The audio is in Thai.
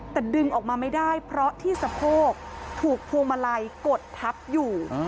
แต่ดึงออกมาไม่ได้เพราะที่สะโพกถูกพวงมาลัยกดทับอยู่